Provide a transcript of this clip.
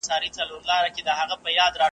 د وګړو به سول پورته آوازونه .